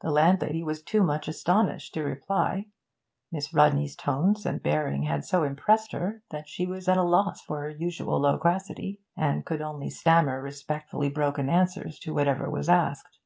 The landlady was too much astonished to reply; Miss Rodney's tones and bearing had so impressed her that she was at a loss for her usual loquacity, and could only stammer respectfully broken answers to whatever was asked.